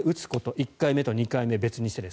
１回目と２回目を別にして。